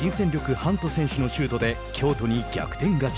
ハント選手のシュートで京都に逆転勝ち。